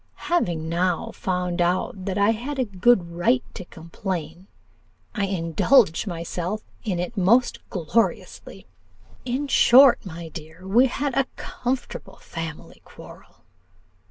Having now found out that I had a good right to complain, I indulged myself in it most gloriously; in short, my dear, we had a comfortable family quarrel.